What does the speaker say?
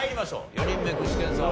４人目具志堅さん